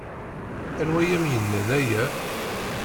Anwa ay am-yennan aya?